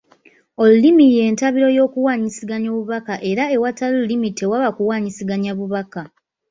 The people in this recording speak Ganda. Olulimi y’entabiro y’okuwaanyisiganya obubaka era awatali lulimi tewaba kuwaanyisiganya bubaka.